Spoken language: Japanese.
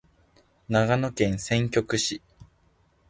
長野県千曲市